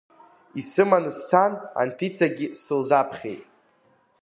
Исыманы сцан Анҭицагьы сылзаԥхьеит.